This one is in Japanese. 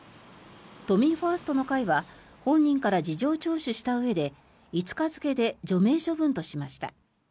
都民ファーストの会は本人から事情聴取したうえで５日付で除名処分としました。